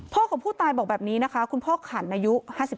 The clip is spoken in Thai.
ของผู้ตายบอกแบบนี้นะคะคุณพ่อขันอายุ๕๓